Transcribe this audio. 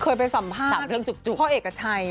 เคยไปสัมภาษณ์พ่อเอกชัย